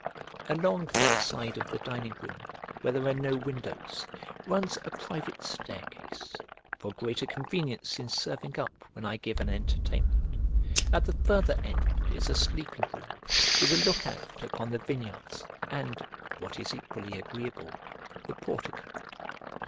Along that side of the dining room where there are no windows runs a private staircase for greater convenience in serving up when I give an entertainment; at the farther end is a sleeping room with a look out upon the vineyards, and (what is equally agreeable) the portico.